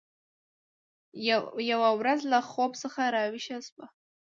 یوه ورځ له خوب څخه راویښه شوه